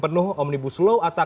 penuh omnibus law